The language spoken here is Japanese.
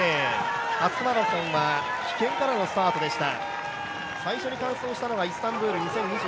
初マラソンは棄権からのスタートでした。